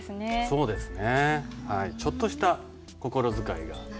そうですね。